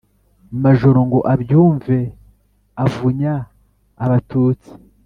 Majoro ngo abyumve avunya Abatutsi,